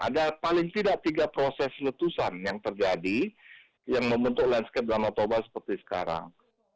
ada paling tidak tiga proses letusan yang terjadi yang membentuk landscape danau toba seperti sekarang